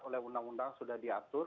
oleh undang undang sudah diatur